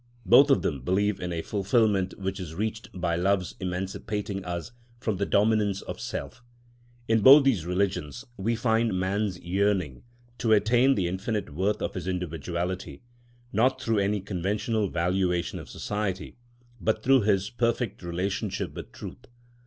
Both of them believe in a fulfilment which is reached by love's emancipating us from the dominance of self. In both these religions we find man's yearning to attain the infinite worth of his individuality, not through any conventional valuation of society, but through his perfect relationship with Truth.